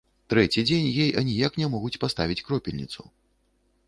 Трэці дзень ёй аніяк не могуць паставіць кропельніцу.